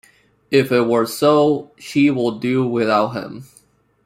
If it were so, she would do without him.